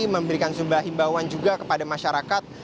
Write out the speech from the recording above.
memberikan sumbah imbauan juga kepada masyarakat